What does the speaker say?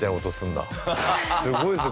すごいですね。